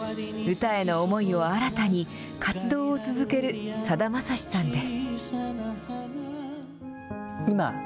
歌への思いを新たに、活動を続けるさだまさしさんです。